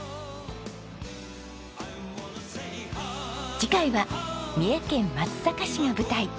次回は三重県松阪市が舞台。